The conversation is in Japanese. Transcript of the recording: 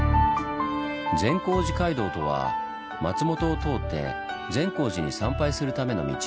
「善光寺街道」とは松本を通って善光寺に参拝するための道。